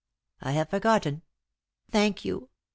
"I have forgotten." "Thank you.